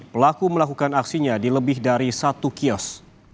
pelaku melakukan aksinya di lebih dari satu kios